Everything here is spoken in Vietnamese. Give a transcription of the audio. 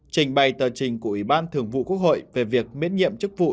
trình bày tờ trình của ủy ban thường vụ quốc hội về việc miễn nhiệm chức vụ